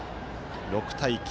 ６対９。